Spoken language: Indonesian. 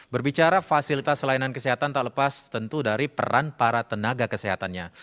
berbicara fasilitas layanan kesehatan tak lepas tentu dari peran para tenaga kesehatannya